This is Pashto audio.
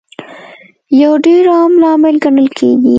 یو ډېر عام لامل ګڼل کیږي